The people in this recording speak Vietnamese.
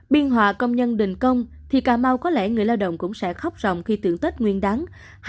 biên họa công nhân đình công thì cà mau có lẽ người lao động cũng sẽ khóc rộng khi tưởng tết nguyên đáng